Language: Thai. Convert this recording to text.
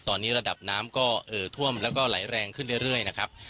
ตอนนี้ระดับน้ำก็เอ่อท่วมแล้วก็ไหลแรงขึ้นเรื่อยนะครับ